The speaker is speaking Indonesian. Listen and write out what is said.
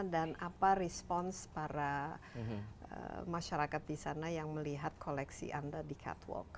dan apa respons para masyarakat di sana yang melihat koleksi anda di cut walk